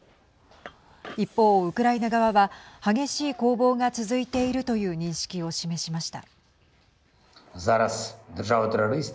一方、ウクライナ側は激しい攻防が続いているという認識を示しました。